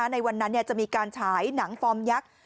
ในวันนั้นจะมีการฉายหนังฟอร์มยักษ์